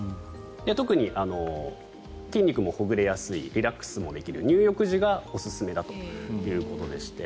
特に筋肉もほぐれやすいリラックスもできる入浴時がおすすめだということでして。